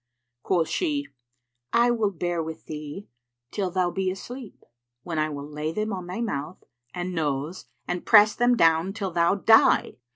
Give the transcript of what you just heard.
Quoth she, "I will bear with thee till thou be asleep, when I will lay them on thy mouth and nose and press them down till thou die."